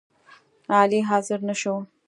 علي حاضر نشو